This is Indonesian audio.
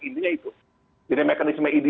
intinya itu jadi mekanisme idi